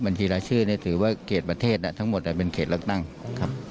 บัญชีรายชื่อเนี่ยถือว่าเขตประเทศทั้งหมดเป็นเขตเลือกตั้งครับ